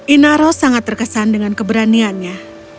inaro sangat terkesan dengan keberaniannya